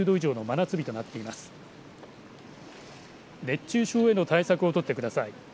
熱中症への対策を取ってください。